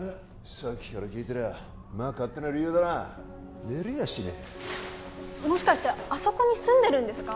さっきから聞いてりゃまあ勝手な理由だな寝れやしねえもしかしてあそこに住んでるんですか？